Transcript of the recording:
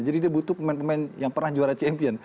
jadi dia butuh pemain pemain yang pernah juara champion